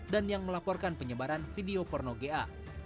dan yang melaporkan penyebaran video porno ga